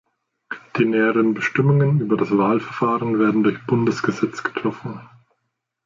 Die näheren Bestimmungen über das Wahlverfahren werden durch Bundesgesetz getroffen.